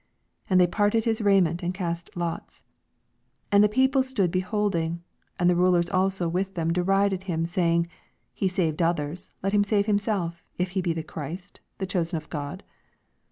And they parted his raiment, and cast lots. 35 And the people stood behold ing. And the rulers also with them derided Aim, saying. He saved others; let him save himself, if he be Christ, the chosen of God.